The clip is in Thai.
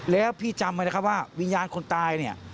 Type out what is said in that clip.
แล้วพี่จำไว้นะครับว่าวิญญาณคนตายเนี่ย